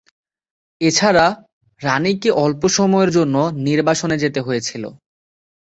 এছাড়া, রানিকে অল্প সময়ের জন্য নির্বাসনে যেতে হয়েছিল।